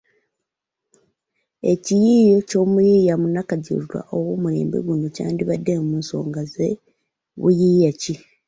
Ekiyiiye ky’omuyiiya munnakajulirwa ow’omulembe guno kyandibaddemu nsonga za buyiiya ki?